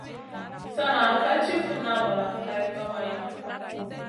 Sana ka ti funa valamu hay kawayna.